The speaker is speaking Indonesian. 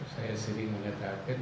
saya sering mengatakan